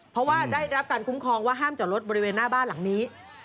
เพราะว่าได้รับการคุ้มครองว่าห้ามจอดรถบริเวณหน้าบ้านหลังนี้